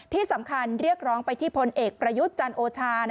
ที่สำคัญเรียกร้องไปที่พลเอกประยุทธ์จันโอชา